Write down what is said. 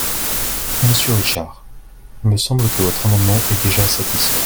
Monsieur Richard, il me semble que votre amendement est déjà satisfait.